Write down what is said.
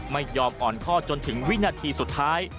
ไม่ยอมอ่อนข้อจนถึงวินาทีสุดท้าย